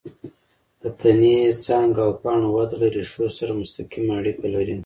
د تنې، څانګو او پاڼو وده له ریښو سره مستقیمه اړیکه لري.